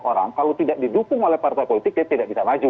orang kalau tidak didukung oleh partai politik dia tidak bisa maju